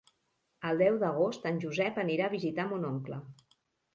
El deu d'agost en Josep anirà a visitar mon oncle.